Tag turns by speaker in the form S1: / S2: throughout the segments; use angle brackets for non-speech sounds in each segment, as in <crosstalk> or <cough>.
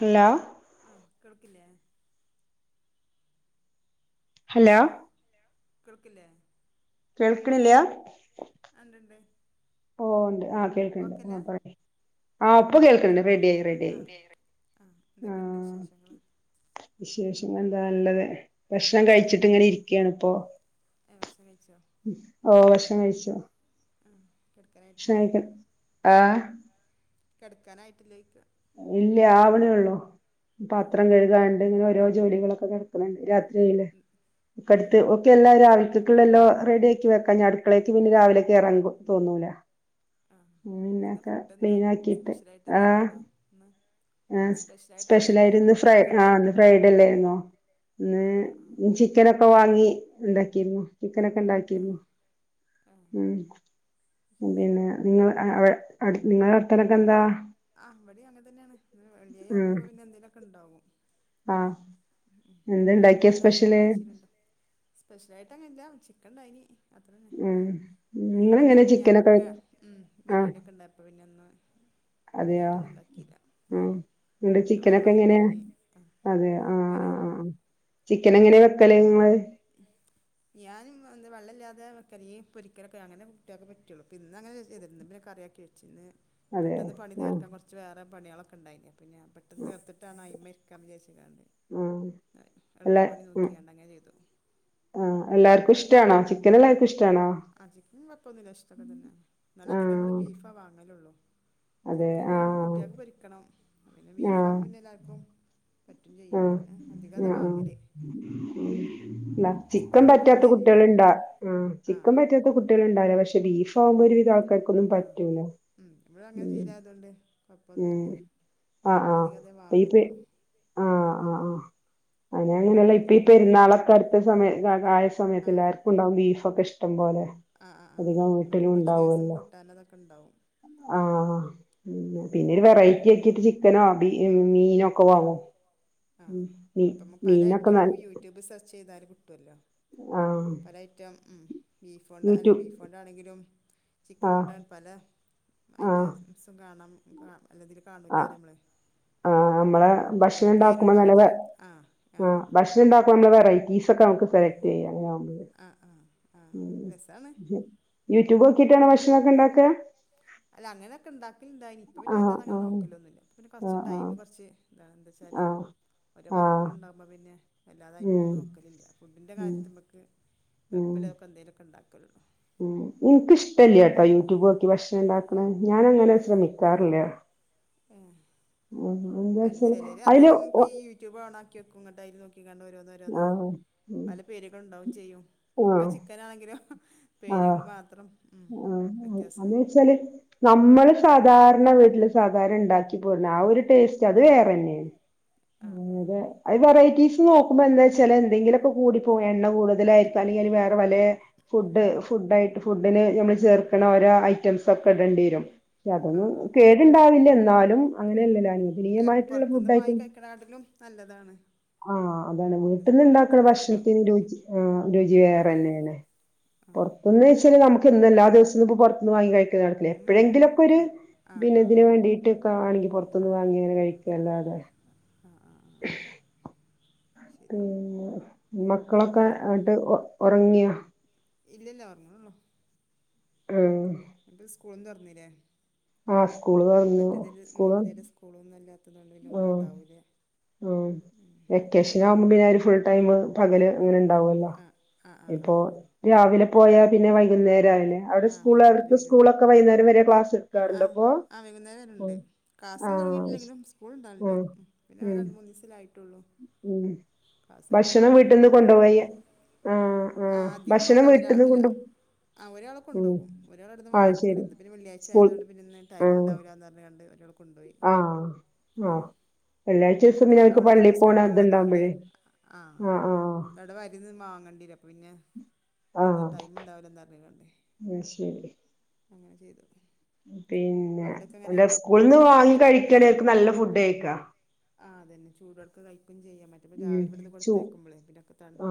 S1: Hello
S2: കേൾക്കില്ലേ?
S1: Hello
S2: കേൾക്കില്ലേ
S1: കേൾക്ക്ണില്ല്യാ?
S2: ആ ണ്ട് ണ്ട്
S1: ഓ ണ്ട് ആ കേൾക്ണ്ട്. ആ പറി ആ പ്പ കേൾക്ക്‌ണ്ട് റെഡി ആയി റെഡി ആയി
S2: ആഹ് ആഹ്
S1: ആ.
S2: എന്തൊക്കെയുണ്ട് വിശേഷങ്ങള്
S1: വിശേഷങ്ങ എന്താ? ല്ലത് ഭക്ഷണം കഴിച്ചിട്ട് ഇങ്ങനെ ഇരിക്കാ ണ് ഇപ്പൊ.
S2: ഏ ഭക്ഷണം കഴിച്ചോ
S1: ഓ ഭക്ഷണം കഴിച്ചു.
S2: കെട്ക്കാനായിട്ടില്ലേ?
S1: ആ
S2: കെടക്കാനാ <inaudible>
S1: ഇല്ല ആവണേള്ളൂ
S2: ആഹ്
S1: പാത്രം കഴുകാണ്ട് ഇങ്ങനെ ഓരോ ജോലികളൊക്കെ കിടക്ക രാത്രി ആയില്ലേ
S2: ആഹ്
S1: ഒക്കടുത്ത് ഒക്കെല്ലാ രാ അടുക്കളെല്ലോ റെഡിയക്കി വെക്കാഞ്ഞാ അടുക്കളേക്ക് പിന്നെ രാവിലേക്ക് കേറാൻ തോന്നൂല
S2: ആഹ്
S1: ഉ
S2: എന്താ
S1: പിന്നെക്കെ
S2: ഫുഡ് എന്താ
S1: ക്ലീൻ ആക്കിട്ട്
S2: സ്പെഷ്യലായിട്ട്
S1: ആ
S2: എന്തേലും ഉണ്ടോ ഇന്ന്
S1: ആ
S2: സ്പെഷ്യലായിട്ട് എന്തേ
S1: സ്പെഷ്യല
S2: ഉണ്ടോ
S1: ആയിട്ടിന്ന്
S2: ഫുഡ് കഴിക്കാ
S1: ആ ഫ്രൈഡേ അല്ലെർന്നോ ഇന്ന്
S2: ആഹ് ആഹ്
S1: ചിക്കനൊക്കെ വാങ്ങി ഇണ്ടാക്കിരുന്നു ചിക്കൻ ഒക്കെ ഉണ്ടാക്കീര്ന്നു
S2: ആഹ് ആഹ്
S1: ഉം
S2: ശരി
S1: പിന്നെ ഇങ്ങ നിങ്ങളെ വർത്താനൊക്കെ എന്താ
S2: അ ഇവടിം അങ്ങന തന്നെയാണ് വെള്ളിയും
S1: ഉം
S2: ആകുമ്പോ പിന്നെ എന്തേലുമൊക്കെണ്ടാവും
S1: ആഹ്
S2: ഉ
S1: എന്താ
S2: വെള്ളിയാഴ്ച
S1: ഇണ്ടാക്കിയെ
S2: പിന്നെല്ലാ
S1: സ്പെഷ്യല്
S2: ആഴ്ചയിലുണ്ടാവും സ്പെഷ്യലായിട്ട് അങ്ങല്ല ഉച്ച കണ്ടയ്നി <unintelligible> അത്രന്നെ
S1: ഉം
S2: പിന്നെ
S1: നിങ്ങളെങ്ങനെ
S2: ഇന്നലിം
S1: ചിക്കനൊക്കെ
S2: മിനിയാന്നൊക്കെ ഉം
S1: ആഹ്
S2: ബിരിയാണി ഒക്കെ ഉണ്ടായപ്പ പിന്നെ ഇന്ന്
S1: അതെയോ
S2: കാര്യമായിട്ട് ഒന്നും ഇണ്ടാകീല
S1: ഉം നിങ്ങടെ
S2: കൊറേ
S1: ചിക്കനൊക്കെ
S2: പരുപാടി
S1: എങ്ങനെയാ
S2: ഇണ്ടായിനെ
S1: അതെ ആഹ്
S2: അങ്ങനെ
S1: ആഹ് ആഹ് ചിക്കൻ എങ്ങനെ വെക്കല്ല് നിങ്ങള്
S2: ഞാൻ വെള്ളം ഇല്ലാതെ വെക്കല് ഈ പൊരിക്കൽ ഒക്കെ അങ്ങനെ കുട്യോൾക് പട്ടിയൊള്ളു ഇന്ന് അങ്ങനെ വെച്ചില്ല ഇന്ന് കറി ആക്കി വെച്ഛ്
S1: അതെയോ
S2: പെട്ടന്ന് പണി
S1: ആഹ്
S2: തീർത്ത കൊറച്ചു വേറെ പണികൾ ഒക്കെ ഇണ്ടായിനെ ഞാൻ പെട്ടന്ന് തീർത്തത് ആണ്
S1: ആഹ്
S2: <unintelligible> എളുപ്പപ്പണി നോക്കി അങ്ങനെ ചെയ്തു
S1: ആ എല്ലാർക്കും ഇഷ്
S2: ആ ചിക്കൻ കൊഴപ്പം ഒന്നും ഇല്ല ഇഷ്ട ഒക്കെ തന്ന പക്ഷെ അധികം ഇവടെ
S1: ആഹ്
S2: ബീഫെ വാങ്ങൽ ഉള്ളു
S1: അതെ
S2: ചിക്കൻ ആമ്പോ
S1: ആഹ്
S2: കുട്ട്യോൾക്ക് പൊരിക്കണം പിന്നെ ബീഫ്
S1: ആഹ്
S2: ആവുമ്പോ എല്ലാർക്കും
S1: ആഹ്
S2: ചെയ്യും പിന്നെ അതികം അതാ
S1: ആഹ് ആഹ് ഉം
S2: വാങ്ങല്ല്
S1: ചിക്കൻ പറ്റാത്ത കുട്ടികൾ ഇണ്ടാ ആ ചിക്കൻ പറ്റാത്ത കുട്ടികൾ ഇണ്ടാവില്ല പക്ഷെ ബീഫ് <unintelligible>
S2: ആ
S1: പറ്റൂല
S2: ഉം ഇവടെ അങ്ങനെ
S1: ഉം
S2: ചെയ്തയ അതുകൊണ്ട് അപ്പൊ ഒന്നും
S1: ഉം
S2: ഇല്ല അതികം അതെ വാങ്ങൽ ഒള്ളു
S1: ആ അ അ അങ്ങനെ ആണെങ്കിൽ ഒള്ള ഇപ്പോ
S2: ശരി
S1: ഈ പെരുനാൾ ഒക്കെ <unintelligible>
S2: ആ
S1: സമയത്ത് എല്ലാർക്കുണ്ടാവു ബീഫ് ഒക്കെ ഇഷ്ടം പോലെ
S2: ആ ആ ആ
S1: അധികം വീട്ടിലും
S2: അതുകൊണ്ട് കുറച്ച് ദിവസം
S1: ഇണ്ടാവൊല്ലോ
S2: കൂട്ടാൻ അതൊക്കെ ഉണ്ടാവും
S1: ആ അ പിന്നെര് വെറൈറ്റി ആകീട്ട് ചിക്കനോ ബീ ഹ് മീനോ ക്കെ വാങ്ങും
S2: ആ
S1: ഉം മീ
S2: അപ്പംമ്മ പല
S1: മീനൊക്കെ നല്ല
S2: ഐറ്റംങ്ങമ്മക് യൂട്യൂബ് സെർച്ച്‌ ചെയ്‌താല് കി ട്ടൊല്ലോ
S1: ആഹ്
S2: പല ഐറ്റം ഉം ബീഫോണ്ട് അല്ലാ
S1: യൂട്യൂബ്
S2: ബീഫോണ്ടാണെങ്കിലും ചിക്കൻ
S1: ആഹ്
S2: കൊണ്ടാണ് പല
S1: ആഹ്
S2: ഐറ്റംസും കാണാം ഇൻക്ക് കാണും അല്ലതില് കാണൂല്ലാറിയുമ്പളെ
S1: അമ്മളെ ഭക്ഷണം ഇണ്ടാക്കുമ്പ നെലവെ
S2: ആ
S1: ആ ഭക്ഷണം ഇണ്ടാക്കുമ്പ വെ <unintelligible> ഇതൊക്കെ ഞമ്മക്ക് സെലക്‌ടെയ്യാ അങ്ങനെയാവുമ്പഴെ
S2: ആ ആ ആ
S1: ഉം
S2: രസമാണ്
S1: യൂ രൂപോക്കിയിട്ടാണൊ ഭക്ഷണൊക്കെ ഇണ്ടാക്കാ
S2: അല്ല അങ്ങനെയൊക്കെ ഇണ്ടാ ഇണ്ടായിനി ഇപ്പം പിന്നെ
S1: ആഹ്
S2: വല്ലാതെ അങ്ങനെ
S1: ആഹ്
S2: നോക്കല്ലൊന്നുല്ല. ഇപ്പ പിന്നെ കൊറ്ച്ച്
S1: ആഹ്
S2: ടൈമ് കൊറ്ച്ച് ഇതാണ് എന്താച്ചാല്
S1: ആഹ് ആഹ്
S2: ഓരൊ
S1: ആഹ്
S2: വർക്കുകള് ഇണ്ടാവുമ്പോ പിന്നെ
S1: ഉം
S2: വല്ലാതയിമ്മക്ക് നോക്കലില്ല ഫുഡിന്റെ
S1: ഉം
S2: കാര്യത്ത്മ്മക്ക്
S1: ഉം
S2: എള്പ്പല്ലെയൊക്കെ എന്തേലൊക്ക് ഇണ്ടാ
S1: ഉം ഇന്ക്കിഷ്ടല്ലാട്ടോ യൂട്യൂബോക്കി ഭക്ഷണ ഇണ്ടാ ന്ന് ഞാൻ അങ്ങനെ ശ്രമിക്കാറില്ല
S2: മ്മ്
S1: ഉം
S2: അല്ല
S1: എന്താച്ചാല്
S2: ചിലര്
S1: അയില്
S2: അധികം ഇപ്പൊ
S1: ഒ
S2: ഈ യൂട്യൂബ് ഓണാ നോക്കിക്കും ഇങ്ങട്ട് അയില് നോക്കി കാണ്ട് ഓരോന്ന് ഓരോന്ന്
S1: ആഹ് ഉം
S2: പല പേരുകളും ഉണ്ടാവും ചെയ്യും ഒക്കെ ചിക്കൻ നാണെങ്കിലോ
S1: ആ ആ
S2: വ്യത്യാസം
S1: എന്നുവെച്ചാല് നമ്മള് സധ സാധാരണ വീട്ടിൽ സാധാരണ ഉണ്ടാക്കി പോര്ണ ആ ഒരു ടേസ്റ്റ് അത് വേറെ തന്നെയാണ്
S2: ആഹ്
S1: അ അതെ
S2: ആഹ്
S1: അതര നോക്കുമ്പോ എന്താ വെച്ചാ എന്തെിലൊക്കെ കൂടിപ്പോ എണ്ണ കൂടുതലായിരിക്കും അല്ലെങ്ക വേറെ വലേ ഫുഡ് ഫുഡ്ട്ട് ഫുഡിന് നമ്മൾ ചേർക്കണ ഓരോ ഐറ്റംസ് ഒക്കെ ഇടേണ്ടി വരും പക്ഷെ അതൊന്നും
S2: ആഹ് ആഹ്
S1: കേടുണ്ടാവില്ല എന്നാലും അങ്ങനെയല്ലല്ലോ
S2: അല്ല നമ്മൾ
S1: അനുവദനീയമായിട്ടുള്ള
S2: പുറത്തുനിന്ന്
S1: ഫുഡ്
S2: വാങ്ങി
S1: ഐറ്റം
S2: കഴിക്കണാട്ടിലും നല്ലതാണ്
S1: ആഹ അതാണ്
S2: എന്താ വെച്ചാ
S1: വീട്ടിൽന്ന് ഉണ്ടാക്കുന്ന
S2: പുറത്തുനിന്ന് നമ്മൾ വാ
S1: ഭക്ഷണത്തിന് രുചി ആ രുചി
S2: ഉം
S1: വേറെ തന്നെയാണ്
S2: ആഹ്
S1: പുറത്തുന്ന്ച്ചരി നമുക്ക് എല്ലാ ദിവസവും ഇ പുറത്ത്ന്ന് വാങ്ങ കഴിക്ക
S2: ഉം
S1: എപ്പോഴെങ്കിലുംൊക്കെ ഒരു
S2: ആഹ് ആഹ്
S1: പിന്നെ
S2: ആഹ്
S1: ഇതിന്
S2: ആഹ്
S1: വേണ്ടീട്ടൊക്കെ ആണെങ്കിറ പന്ന് വാങ്ങിയങ്ങനെ കഴിക്കല്ലാതെ
S2: ആഹ് ആഹ് ആഹ്
S1: <unintelligible>
S2: ശരി
S1: <unintelligible> മക്കളൊക്കെ
S2: പിന്നെ
S1: ആട്ട് ഒറങ്ങ്യ
S2: ഇല്ലല്ല ർങ്ങമ്മോ <unintelligible>
S1: ആഹ
S2: എന്നിട്ട് സ്കൂളന്ന്റന്നല്ലേ
S1: ആ
S2: മറ്റതില് ഉ ഇല സ്കൂളൊന്നുംല്ലാത്ത പുന്നുണ്ടെങ്കില ഒന്നും ഉണ്ടാവൂില്ലേ
S1: ഉ വെക്കേഷൻ ആകുമ്പോ പിന്ന ഫുൾടൈ പകല് അങ്ങനെ ണ്ട
S2: ആ ആ ആ ആ
S1: ഇപ്പോ
S2: ആ
S1: രാവില പോയാ പിന്നെ വൈകുന്നേ ല്ലേടെ
S2: ആ
S1: സ്കൂ
S2: വൈകിട്ടല്ലേ
S1: അവർക്ക്
S2: വരൂ
S1: സ്കൂളൊക്കെ വൈകുന്നേരം വരെ ക്ലാസ്
S2: ആ
S1: എടുക്കാറുണ്ട്പ്പ
S2: ആ വൈകുന്നേരം വരലുണ്ട്
S1: ആ
S2: ക്ലാസ്സൊന്നും ഞാനത് മനസ്സില
S1: ഉ
S2: എടുക്കാൻ
S1: ഭക്ഷണം വീട്ടിൽന്ന്
S2: പാഠങ്ങളൊക്കെ എടുക്കാൻ
S1: കൊണ്ടുപോയിയ
S2: തുട-
S1: ആഹ
S2: ആ
S1: ആഹ
S2: അധികം
S1: ഭക്ഷണം വീട്ടിൽന്ന് കൊണ്ട്പോ
S2: കൊണ്ടു പോകും ഒരാള അടുന്ന് വാിക്കാ എന്ത് പിെ
S1: സ്കൂൾ
S2: വള്ളാഴ്ചയതുകൊണ്ട്ന്ന ടൈം
S1: ആഹ്
S2: ഉണ്ടാവോ കൊണ്ടപോയി
S1: ആഹ് ആഹ് വെള്ളിയാഴ്ച ദിവസം പിന്നെ അവർക്ക്
S2: അവിടെ
S1: പള്ളി
S2: ഇപ്പോ
S1: പോണ
S2: സ്കൂള ഉള്ളതുകൊണ്ടേ
S1: ഇത്ണ്ടാവുമ്പഴേ
S2: ആ
S1: ആഹ് ആഹ്
S2: അവിടെ വരു വാങ്ങേണ്ടി പിന്നെ എന്താ ടൈം ഉണ്ടാവില്ലന്ന്റിഞ്ഞക്കോണ്ടേ
S1: അ ശരി
S2: അങ്ങനെ ചെയ്തു
S1: പിന്നെ
S2: അവിടെയൊക്കെ
S1: നല്ല
S2: എങ്ങനെ
S1: സ്കൂളന്ന് വാങ്ങി കഴിക്കണക്ക് നല്ല ഫുഡ് കഴക്കാ
S2: ആ അതെ ചൂടക്ക കഴ ബക്കും ചെയ്യൻറ്റം രാവിലവിടുന്ന് കൊടുത്തേക്ക്പോളേ പിന്നെ
S1: ആ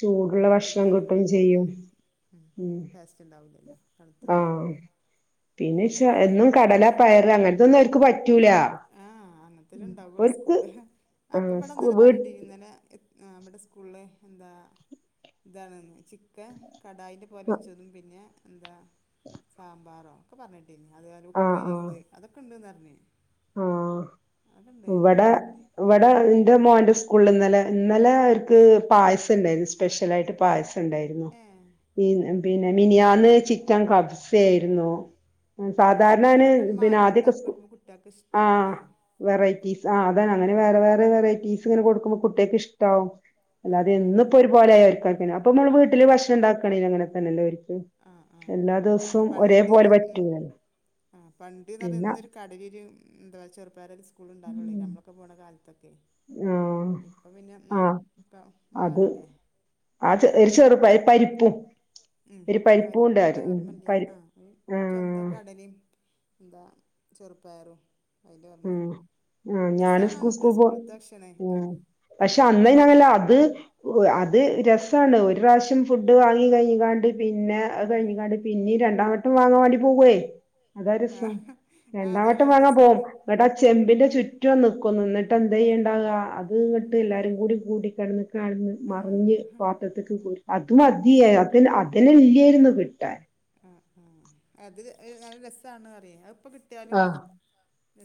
S1: ചൂടുള്ള ഭക്ഷണം കിട്ടും ചെയ്യും
S2: ഉം
S1: ഉം
S2: ടേസ്റ്റ് ഉണ്ടാവില്ലല്ലോ
S1: ആ
S2: തണുത്തതായുമ്പോ
S1: പിന്നെ എന്നും കടല പയറ് അങ്ങനത്തൊന്നും അവർക്ക് പറ്റൂല
S2: എപ്പളെ
S1: ഉം
S2: ഉണ്ടാവുള്ളൂ
S1: ഓര്ക്ക്
S2: സ്കൂളിൽ അപ്പ
S1: ആഹ് സ്കൂ
S2: ഇവിടന്നലെ
S1: വീ
S2: പറഞ്ഞയ്ട്ടിനി ഇന്നലെ ആ ഇബടെ സ്കൂളില് എന്താ ഇതാണ് ചിക്കൻ കടായിൻ്റെ പോലെ
S1: ആഹ്
S2: വെച്ചതതും പിന്നെ എന്താ സാമ്പാറോ ഒക്കെ പറഞ്ഞെ പിന്നെ അതുപലെ ഉപ്പേരികള് അതൊക്കെ ഉണ്ട് അ
S1: ആ
S2: അതൊക്കെ
S1: ഇവിടെ
S2: ഉണ്ടാവല്
S1: ഇവിടെ
S2: ഉം
S1: എന്റെ മോന്റെ സ്കൂലില് ഇന്നലെ ഇന്നലെ- ക്ക് പായസം ഉണ്ടായിരുന്നു സ്പെഷ്യലായിട്ട് പായസം ഉണ്ടായിരുന്നു
S2: ഏ
S1: മ് പിന്നെ മിനിയാന് ചിറ്റൻ കബ്സ ആയിരുന്നു
S2: ഏ
S1: സാധാരണാന്
S2: അങ്ങനൊക്കെ
S1: പിന്നെ
S2: മാറ്റി
S1: ആദ്യൊക്കെ
S2: ഉണ്ടാക്കി
S1: സ്കു
S2: കൊടുക്കുമ്പോൾ കുട്ടികൾക്ക്
S1: ആ
S2: ഇഷ്ടാവൂലേ
S1: വെറൈറ്റി ആ അതാണ് അങ്ങനെ
S2: ഉം
S1: വേറെ വേറെ വെറൈറ്റീസ് ഇങ്ങനെ കൊടുക്കുമ്പൊ- കുട്ടികക്ക് ഇഷ്ടാവും അല്ലാതെ
S2: ആഹ്
S1: എന്നിപ്പം ഒരു പോലെ ആയ അവർക്ക് <unintelligible> അപ്പം മ്മള് വീട്ടില് ഭക്ഷണം ഇണ്ടാക്കണില്ലെ അങ്ങനെ തന്നല്ലേ ഇവർക്ക്
S2: ആഹ് ആഹ്
S1: എല്ലാ
S2: ആഹ്
S1: ദിവസവും ഒരേ പോലെ
S2: പണ്ട്ന്ന് ഉം
S1: പറ്റൂലല്ലോ പിന്നെ-
S2: എന്തുവ ചെറുപയർ വച്ചിട്ട് സ്കൂള് ഉണ്ടാകൂലെ നമ്മളൊക്കെ പോണ കാല തക്കെ
S1: ആഹ്
S2: ഇപ്പം പിന്നെ ഉം
S1: ആഹ്
S2: <unintelligible>
S1: അത്
S2: മാറില്ലേ
S1: ആത് എരിച്ച് -
S2: ഉം
S1: പരിപ്പും
S2: പരിപ്പിന്റെ
S1: ഉണ്ടായിരുന്നു
S2: ഓർമില്ല്യ
S1: പരിപ്പ്
S2: ആഹ് ചൊന്ത
S1: ആഹ്
S2: കടലയും എന്താ <unintelligible> ചെറു പയറും <unintelligible>
S1: ഉം ആ ഞാനും സ്കൂ
S2: ട്ടോ
S1: സ്കൂൾ പോ
S2: സ്കൂൾത്തെ ഭക്ഷണേ
S1: ഉം
S2: ആഹ്
S1: പക്ഷെ അന്നേ ഞാനല്ല അത്- ഓ അത് രസ്സാണ് ഒരു പ്രാവശ്യം ഫുഡ് വാങ്ങി കഴിങ്ങാണ്ട് പിന്നെ അത് കഴിഞ്ഞിങ്ങാണ്ട് പിന്നീരൺ എന്നിട്ടും വാങ്ങാൻ വേണ്ടി പൊവ്വേ അതാ രസം
S2: ആഹ് ആഹ്
S1: രണ്ടാം
S2: അതാണ്
S1: വട്ടം വാങ്ങാൻ
S2: രസാ
S1: പോവും എന്നട്ട് ആ ചെമ്പിന്റെ ചുറ്റും നിക്കുന്നു എന്നിട്ട് എന്തെയ്യണ്ടാക അത് ഇങ്ങോട്ട് എല്ലാരും കൂടി കൂടിക്കെടന്ന് കെടന്ന് മറിഞ്ഞ്
S2: ആഹ്
S1: പാത്രത്തിക്ക് പോയി അത്
S2: ആഹ്
S1: മതിയ അതിൽ അതില് ഇല്ല്യാരുന്നു കിട്ടാൻ
S2: ആ നല്ല രസാണ് ന്ന് അറിയാം കിട്ടിയാലും
S1: ആഹ്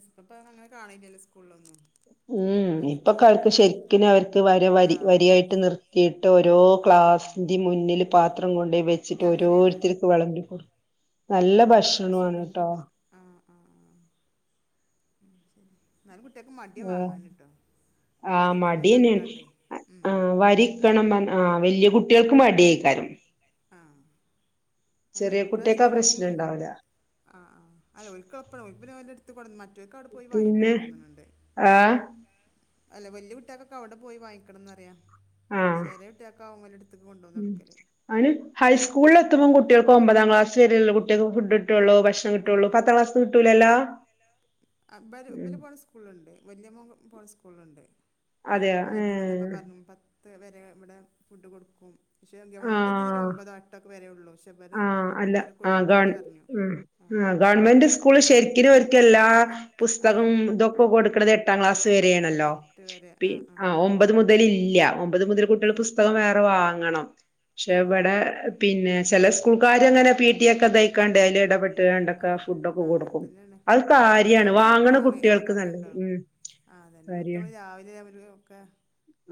S2: ഇപ്പം അങ്ങനെ കാണിക്കല്ല് സ്കൂളിലൊന്നും
S1: ഉം ഇപ്പൊ
S2: അങ്ങനത്തതൊന്നും
S1: കാലത്ത് ശെരിക്കിനും അവർക്ക് വര
S2: ആ
S1: വരി വരിയായിട്ട് നിർത്തിയിട്ട് ഓരോ
S2: ആ ആ
S1: ക്ലാസിന്റെ മുന്നില് പാത്ര - ത്രം കൊണ്ടുപോയി നിൽക്കും
S2: ഏ,
S1: വെച്ചിട്ട്
S2: അങ്ങനെയാണ്
S1: ഓരോരുത്തർക്ക് വെളമ്പി കൊടുക്കും നല്ല
S2: ആ അത്
S1: ഭക്ഷണമാണ് കേട്ടോ
S2: സുഖങ്ങട്ട് ആഹ് ആഹ് ആഹ് <unintelligible> എന്നാലും കുട്ടിയക്ക് മടിയാണ്
S1: ഏഹ്
S2: വാങ്ങാനിട്ടോ
S1: ആ
S2: വരിക്കണ്ന്ന്
S1: മടിയന്നെയാണ്
S2: പറഞ്ഞിങ്ങാണ്ടേ ഉം
S1: ആ വരിക്കണം പറഞ്ഞ് ആ വല്ലിയ കുട്ടിയൾക്കും മടിയായിക്കാരും
S2: ആ <unintelligible> അത്
S1: കുട്ടികൾക്ക്
S2: ഇപ്രാശം
S1: ആ പ്രശ്നം
S2: ഉം
S1: ഉണ്ടാവില്ല
S2: ആ ആ അല്ല <unintelligible> പിന്നെ ഓരെട്ത്ത് <unintelligible> ഒറ്റക്കവിടെ പോയി
S1: പിന്നെ
S2: വായിക്കണം തോന്നണുണ്ട്
S1: ആ
S2: അല്ല വല്ലിയ കുട്ടികളൊക്കെ അവിടെ പോയി വാങ്ങിക്കണന്ന് പറുവാ
S1: ആ
S2: കൊണ്ടുവന്ന് കൊടുക്കല്
S1: അയ്ന് ഹൈസ്കൂളിൽ എത്തുമ്പോം കുട്ടികൾക്ക് ഒമ്പതാം ക്ലാസ് ചെറിയേയുള്ള കുട്ടികൾക്ക് ഫുഡ്ട്ടോള്ളു ഭക്ഷണം കിട്ടോള്ളു പത്താം ക്ലാസ്ന്ന് കിട്ടൂലല്ലോ ഉം
S2: ഇവള് പോണ സ്കൂള്ണ്ട് വല്ല്യ മോൻ പോണ സ്കൂള്ല്ണ്ട് <unintelligible> അ
S1: അതെയോ ഏ
S2: മീറ്റിങ്ങ് ഉണ്ട് അപ്പൊ പറഞ്ഞീ പത്ത് വര് ഇവിടെ ഫുഡ് കൊടുക്കും പക്ഷേ ഗവൺമെൻ്റതില് ഒമ്പതോ എട്ടോക്കെ വരേള്ളു
S1: ആ അല്ല ആ ഗവൺ മ്മ് ആ ഗവൺമെൻ്റ് സ്കൂള് ശരിക്ക്നും ഒര്കെ <unintelligible> ല്ലാ ആ
S2: എട്ട് ആ
S1: പുസ്തകം ഇതൊക്ക കൊടുക്ക് ണത് എട്ട് എട്ടാക്ലാസ് വരേയാണല്ലോ പി ആ ഒമ്പത് മുതല് ഇല്ല്യ ഒമ്പത് മുതല് കുട്ടികള് പുസ്തകം വേറെ വാങ്ങണം പക്ഷെ
S2: ആ
S1: ഇവിടെ
S2: ആ
S1: പിന്നെ
S2: ആ
S1: ചെലേസ് സ്കൂൾക്കാരങ്ങനെ പീട്ടിയൊക്കെ തായ്ക്കണ്ടേ അയിലെടപെട്
S2: ആ അങ്ങനെതെന്നേണ്
S1: അത്
S2: ആ
S1: കാര്യാണ്
S2: അങനാവുമ്പ
S1: വാങ്ങണ
S2: സുഖാണ്
S1: കുട്ടികൾക്ക് നല്ലത്
S2: ആപറിയാണ്ടൊ
S1: ഉം
S2: ആ അതെന്നെ
S1: കാര്യാണ്
S2: മറ്റമ്മള് രാവിലെയാമൊരു ഒകെ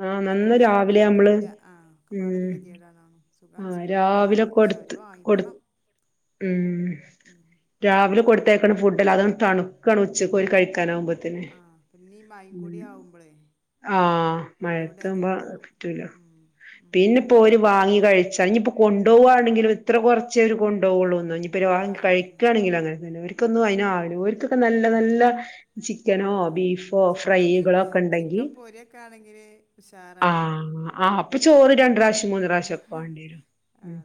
S1: ആഹ്
S2: എലെ
S1: നന്ന്
S2: കൂട്ടാന്കള്
S1: രാവിലെ നമ്മള്
S2: പറ്റൂല്ല ആ ഒകെപാടൊര്
S1: ഉം
S2: കെതിയേടാണ് മ്മ് സുഖാണ് സ്കൂൾ ണ്ടായാല് പക്ഷെ അവര് വാങ്ങി
S1: മ്മ് മ്മ്
S2: ഉം
S1: രാവിലെ
S2: അതാണ്
S1: കൊട്തയക്ണ ഫുഡല്ലെ അത് തണ് ക്കാണ് ഉച്ചക് ഓല് കയ് ക്കാനാവുമ്പത്തിന്
S2: ആഹ് പിന്നെ ഈ മഴയും കൂടി
S1: മ്മ്
S2: ആവുമ്പളേ
S1: ആ
S2: ഒന്നൂടെ
S1: മഴൊകാവുമ്പൊ
S2: ഇതാവും
S1: പറ്റൂല
S2: ഉം ഉം ഉം
S1: പിന്നെപോല് വാങ്ങി കഴിച ഞ് പ്പം കോണ്ടൊവാണെങ്കിലും എത്ര കൊർചേ ഓല് കൊണ്ടൊ വോള്ളൂന്നൊ ഇഞ് ഇത്തിരോളം
S2: ആഹ് അതന്നെ
S1: കയിക്കാണെങ്കിലും അങനെ തന്നെ ഓര്കൊന്നും
S2: ആഹ്
S1: അയിനാവൂല ഓര്കൊകെ നല്ല
S2: ഉം
S1: നല്ല ചിക്കനോ
S2: ആഹ്
S1: ബീഫോ ഫ്രൈ
S2: ചിക്കൻ
S1: കളൊക്കെണ്ടെങ്കി
S2: ചിക്കൻ പൊരിയൊക്കെ ആണെങ്കില്
S1: ആ
S2: ഉഷാറാണ്
S1: അപ്പം ചോറ് രണ്ട്റാശ്യും മൂന്ന്റാശ്യും
S2: ഉം
S1: ഒകെ വാണ്ടിയെ രും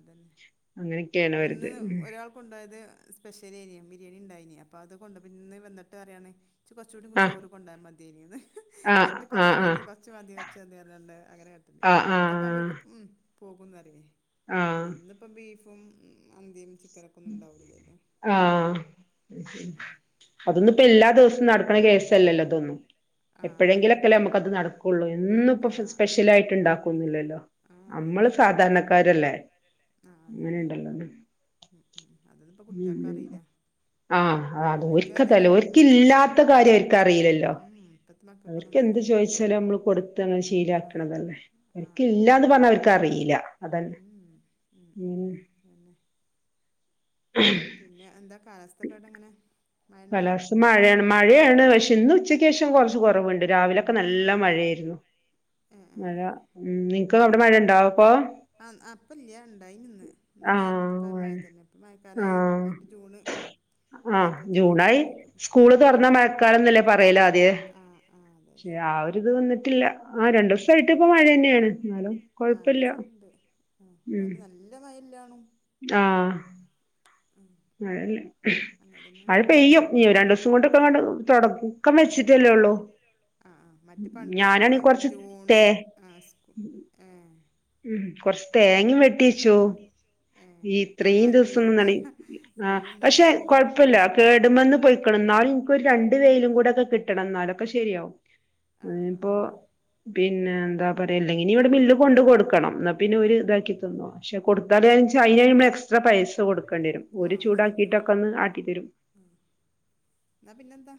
S2: ഇപ്പന്ന് ഒരാൾ കൊണ്ടോയത് സ്പെഷലേനിയു ബിരിയാണിണ്ടാ യീനി അപ്പത് കൊണ്ടൊപ്പം ഇന്ന് വെന്ന്ട്ടറിയാണ് ച്ച് കൊർചൂടിം
S1: ആഹ്
S2: ചോറ് കൊണ്ടൊയാ മത്യേനിന്ന്
S1: ആഹ്
S2: മറ്റെ
S1: ആഹ്
S2: കൊർച് മതി
S1: ആഹ്
S2: കൊർച്മതി കൊർച്മതിന്നർഞാണ്ട് അങ്ങനെ കാട്ടല്
S1: ആഹ്
S2: അപ്പോത്തൊക്കെ ആവുമ്പോൾ
S1: ആഹ്
S2: ഓൽക് മ്മ് പോകുംന്നറിയേ
S1: ആഹ്
S2: ഏന്നുപ്പം ബീഫ് കും <unintelligible>
S1: ആ അതൊന്നുപെല്ലാ ദിവസ് നടക്ണ കേസല്ലല്ലൊ ഇതൊന്നും
S2: ആ അതന്നെ
S1: എപ്പഴെങ്കിലൊകെല്ലെ നമ്മുക്ക് അതെ നടകോള്ളു എന്നുപ്പം
S2: ആ
S1: സ്പെഷലായിട്ടാണ്ടാക്കൊന്നുല്ലല്ലോ
S2: ആ ഇല്ലില്ല
S1: അമ്മള് സാധാരണക്കാരല്ലേ
S2: ആ അതന്നെ
S1: അങ്ങനിണ്ടല്ലൊ ഒന്ന്
S2: ഉം, ഉം. അതൊന്നും ഇപ്പോൾ കുട്ടികൾക്ക് അറിയില്ല
S1: ആ അത്
S2: ഓർക്ക് അല്ല
S1: ഒരിക്കതല്ല
S2: കിട്ടും ഉം,
S1: ഒരിക്കും
S2: ആ
S1: ഇല്ലാത്ത കാര്യം ഒരിക്കറിയില്ലല്ലോ
S2: ഉം, ഇപ്പോഴത്തെ
S1: അവർക്ക്
S2: മക്കൾക്കൊന്നും അത്
S1: എന്ത്
S2: അറിയില്ല
S1: ചോദിച്ചാലും നമ്മള് കൊടുത്ത്ന
S2: ആ
S1: ശീലക്കണതല്ലേ
S2: ആ ആ
S1: അവർക്ക്ല്ലാന്ന് പറഞ്ഞാ അവർക്ക്റിയില്ല അതന്നെ ഉം
S2: പിന്നെ എന്താ കാലസ് അതൊക്കെ ഇവിടെങ്ങനെ
S1: കലസ്ഥ മഴയാണ് മഴയാണ് പക്ഷെ ഇന്ന് ഉച്ചയ്ക്ക് ശേഷം കുറച്ച് കുറവുണ്ട് രാവിലൊക്കെ നല്ല മഴയായിരുന്നു
S2: ആഹ്
S1: മഴ ഉം നിനക്ക് അവിടെ മഴ ഉണ്ടോ
S2: ആ അപ്പം ഇല്ല ഉണ്ടായി ഇന്ന് നേരം വെ ളുത്തപ്പാളെ
S1: ആഹ്
S2: മഴ തന്നെ ഇപ്പ മഴക്കാലമായി
S1: ആഹ്
S2: മറ്റു ജൂണ് ഉ
S1: ആഹ്
S2: ഇത
S1: ജൂണായി സ്കൂള് തുറന്ന മഴക്കാലംന്നല്ലേ പറയല ആദ്യ
S2: ആഹ് ആഹ് അതെ
S1: പക്ഷെ
S2: അതെ
S1: ആ ഒരുത് വന്നിട്ടില്ല ആ രണ്ടു
S2: ഉം
S1: ദിവസമായിട്ട്
S2: ഉം
S1: ഇപ്പൊ മഴ തന്നെയാണ് എന്നാലും
S2: ആഹ്
S1: കൊഴപ്പില്ല
S2: രണ്ടീസായിട്ടുണ്ട് ആഹ്
S1: ഉം
S2: എന്നാലും നല്ല മഴയില്ലാണും
S1: ആ
S2: ഉം
S1: മഴ അല്ലേ
S2: അങ്ങനെ തന്നെ
S1: മഴ
S2: ഉം
S1: പെയ്യും നീ രണ്ടു ദിവസം കൊണ്ടൊക്കെങ്ങണ്ട് തുടക്കം
S2: ആഹ്
S1: വെച്ചിട്ടല്ലേള്ളൂ
S2: ആ ആ മറ്റേ പണ്ട് പറഞ്ഞില്ലേ
S1: ഞാനാണീ കൊറച്ച് തേ
S2: ജൂണില് ആ സ്കൂ ഏ
S1: ഉം കൊറച്ച് തേങ്ങ വെ വെട്ടിച്ചു
S2: ഏ ഇത്ര
S1: ഇത്രയും
S2: കാലം
S1: ദിവസം
S2: വെയിലുണ്ടാ
S1: നിന്നാണ്ട് ആ പക്ഷെ
S2: വെയിലുണ്ടായപ്പം ഒന്നും
S1: കുഴപ്പില്ല
S2: വെട്ടാതെ
S1: കേടുമ്ന്ന് പോയ്ക്ക്ണ് ഇന്നാലും ക്ക് ഒരു ര വെയിലും കൂടെ ഒക്കെ കിട്ടണം ഇന്നാലും ക്കെ ശരിയാവും
S2: ആ ആ
S1: ഇപ്പോ
S2: ആ
S1: പി പിന്നെ എന്താ പറയയാ ഇല്ലെങ്കിനി ഇവിടെ മില്ല് കൊണ്ട് കൊടുക്കും കൊടുക്കണം എന്നാൽ പിന്നെ ഒരു ഇതാക്കി തന്നോ പക്ഷെ കൊടുത്താൽച്ചാ അയ്ന് എക്സ്ട്രാ പൈസ കൊടുക്കും ണ്ടിരും
S2: ആ
S1: ഓല്
S2: ആ അത് ശരിയാണ്
S1: ചൂടാക്കിട്ടൊക്കെ ഒന്ന് ആട്ടിത്തരും
S2: എന്നാ പിന്നെന്താ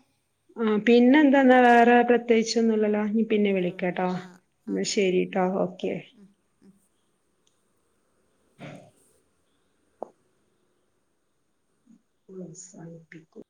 S1: ആ പിന്നെന്താന്നാ വേറെ പ്രത്യേകിച്ച ഒന്നുംല്ലല്ലോ പിന്നെ
S2: ആ
S1: വിളിക്കാട്ടോ
S2: ആ ആ എന്നാ ഓക്കെ
S1: ശരിട്ടോ ഓക്കെ പ്രോത്സാഹിപ്പിക്കും